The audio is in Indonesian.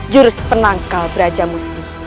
jurus penangkal brajamusti